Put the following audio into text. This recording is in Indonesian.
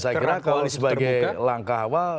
saya kira sebagai langkah awal